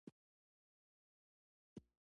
وزې شنه واښه خوښوي